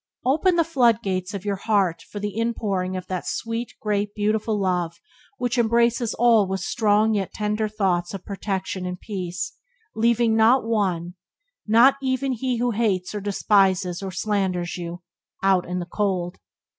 Open the flood gates of your heart for the inpouring of that sweet, great, beautiful love which embraces all with strong yet tender thoughts of protection and peace, leaving not one, nay, not even he who hates or despises or slanders you, out in the cold.